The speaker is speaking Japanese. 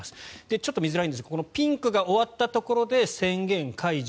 ちょっと見づらいんですがピンクが終わったところで宣言解除。